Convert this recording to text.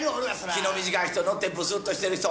気の短い人乗ってぶすっとしてる人。